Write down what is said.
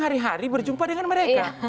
hari hari berjumpa dengan mereka